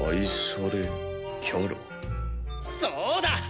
そうだ！